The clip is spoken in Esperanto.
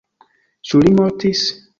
Ĉu li mortis?